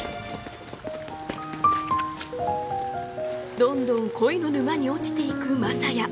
どんどん恋の沼に落ちていく雅也。